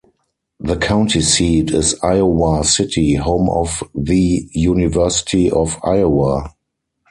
The county seat is Iowa City, home of the University of Iowa.